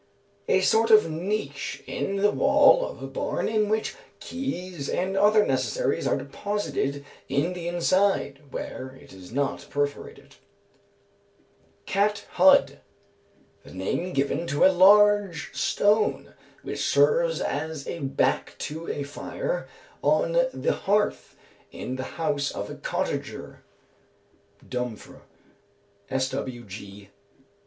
A sort of niche in the wall of a barn, in which keys and other necessaries are deposited in the inside, where it is not perforated. Cat hud. The name given to a large stone, which serves as a back to a fire on the hearth in the house of a cottager (Dumfr.). Sw. G.